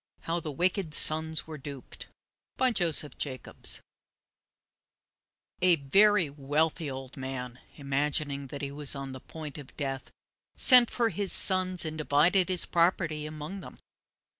HOW THE WICKED SONS WERE DUPED By Joseph Jacobs A very wealthy old man, imagining that he was on the point of death, sent for his sons and divided his property among them.